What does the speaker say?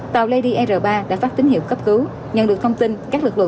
tàu lady r ba đã phát tín hiệu cấp cứu